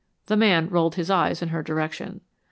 The man rolled his eyes in her direction.